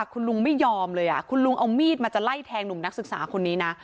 คุณลุงไม่ยอมเลยคุณลุงเอามีดมาจะไล่แทงหนุ่มนักศึกษาคนนี้นะ